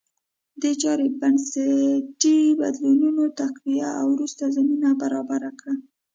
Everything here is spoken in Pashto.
دې چارې بنسټي بدلونونه تقویه او وروسته زمینه برابره کړه